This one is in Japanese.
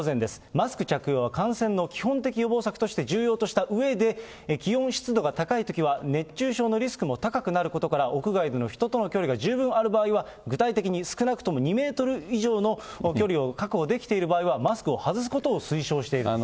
マスク着用は感染の基本的予防策として重要としたうえで、気温、湿度が高いときは熱中症のリスクも高くなることから、屋外での人との距離が十分ある場合は、具体的に少なくとも２メートル以上の距離を確保できている場合は、マスクを外すことを推奨していると。